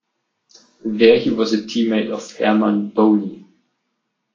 There he was a teammate of Herman Boone.